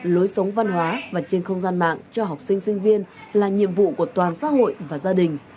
lối sống văn hóa và trên không gian mạng cho học sinh sinh viên là nhiệm vụ của toàn xã hội và gia đình